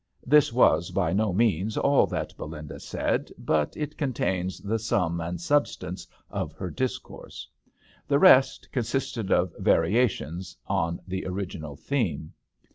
This was by no means all that Belinda said, but it contains the sum and substance of her dis course. The rest consisted of variations on the original theme.